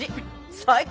最高！